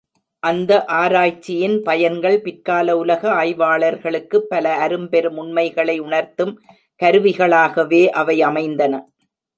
அந்த ஆராய்ச்சியின் பயன்கள், பிற்கால உலக ஆய்வாளர்களுக்கு பல அரும்பெரும் உண்மைகளை உணர்த்தும் கருவிகளாகவே அவை அமைந்தன.